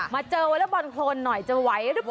มาเจอวอเล็กบอลโครนหน่อยจะไหวหรือเปล่า